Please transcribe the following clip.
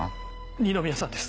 二宮さんです